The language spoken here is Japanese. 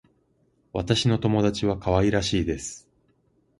私の友達は可愛らしいです。